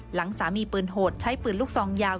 หลังสามีปืนโหดใช้ปืนลูกซองยาว